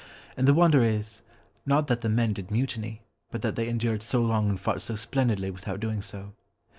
And the wonder is, not that the men did mutiny, but that they endured so long and fought so splendidly without doing so.